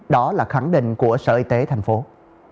đó là khẳng định của sở y tế tp hcm